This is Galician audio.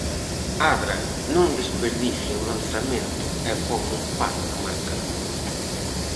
Adra non desperdicia o lanzamento e pon o empate no marcador.